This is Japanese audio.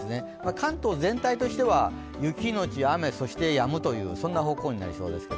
関東全体としては雪のち雨、そしてやむという方向になりそうです。